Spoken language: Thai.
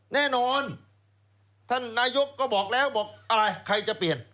แน่นอนท่านนายกก็บอกแล้วบอกอะไรใครจะเปลี่ยน